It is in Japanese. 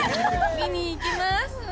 見に行きます。